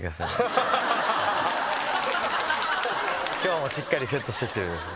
今日もしっかりセットしてきてるんです。